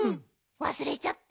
わすれちゃった。